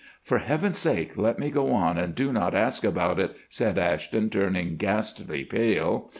"For heaven's sake let me go on and do not ask about it," said Ashton, turning ghastly pale.